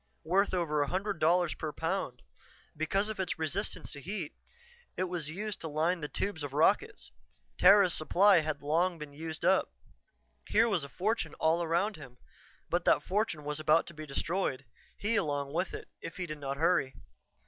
Worth over a hundred dollars per pound. Because of its resistance to heat, it was used to line the tubes of rockets; Terra's supply had long been used up. Here was a fortune all around him; but that fortune was about to be destroyed, he along with it, if he did not hurry.